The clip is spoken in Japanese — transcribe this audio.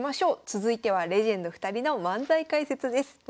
続いては「レジェンド２人の漫才解説」です。